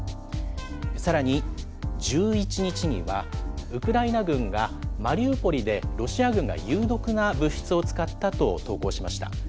さらに、１１日には、ウクライナ軍が、マリウポリで、ロシア軍が有毒な物質を使ったと、投稿しました。